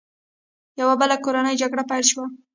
یوه بله کورنۍ جګړه پیل شوه.